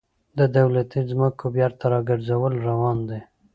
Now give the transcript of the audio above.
د دولتي ځمکو بیرته راګرځول روان دي